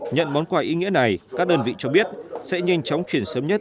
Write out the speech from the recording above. nhận món quà ý nghĩa này các đơn vị cho biết sẽ nhanh chóng chuyển sớm nhất